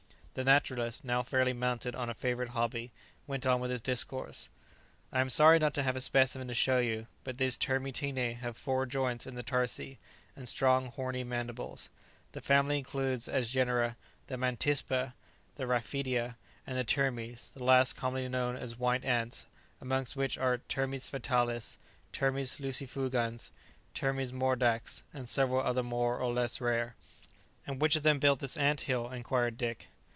The naturalist, now fairly mounted on a favourite hobby, went on with his discourse. "I am sorry not to have a specimen to show you, but these Termitine have four joints in the tarsi, and strong horny mandibles. The family includes, as genera, the Mantispa, the Raphidia, and the Termes, the last commonly known as white ants, amongst which are 'Termes fatalis, Termes lucifugans, Termes mordax,' and several others more or less rare." "And which of them built this ant hill?" inquired Dick.